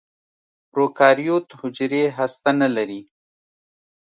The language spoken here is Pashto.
پروکاریوت حجرې هسته نه لري.